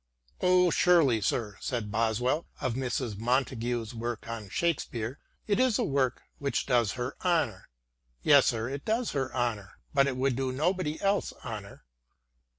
" Oh, surely, sir," said Boswell of Mrs. Montague's work on Shakespeare —" it is a work which does her honour." " Yes, sir, it does her honour, but it would do nobody else honour."